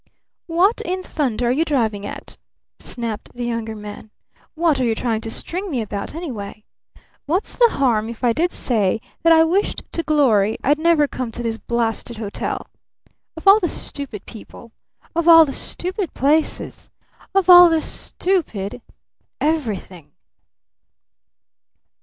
"What in thunder are you driving at?" snapped the Younger Man. "What are you trying to string me about, anyway? What's the harm if I did say that I wished to glory I'd never come to this blasted hotel? Of all the stupid people! Of all the stupid places! Of all the stupid everything!"